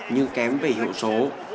nhưng kém về hiệu số